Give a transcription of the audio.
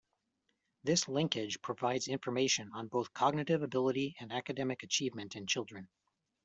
This linkage provides information on both cognitive ability and academic achievement in children.